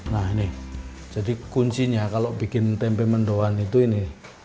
nah ini jadi kuncinya kalau bikin tempe mendoan itu ini